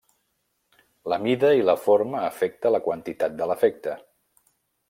La mida i la forma afecta la quantitat de l'efecte.